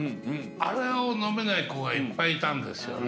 あれを飲めない子がいっぱいいたんですよね。